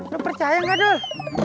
lu percaya gak dul